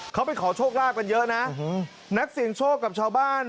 เขาไปขอโชคลาภกันเยอะนะนักเสี่ยงโชคกับชาวบ้าน